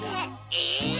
え！